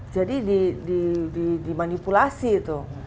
jadi dimanipulasi itu